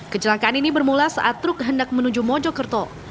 kecelakaan ini bermula saat truk hendak menuju mojokerto